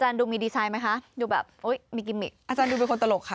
นี่หรอนี่คือ